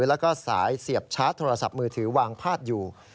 แล้วก็สายเสียบชาร์จโทรศัพท์มือถือวางพาดอยู่